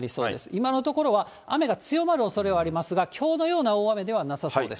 今のところは、雨が強まるおそれはありますが、きょうのような大雨ではなさそうです。